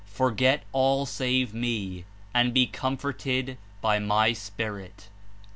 Forget all else save Me, and be comforted by my Spirit." (A.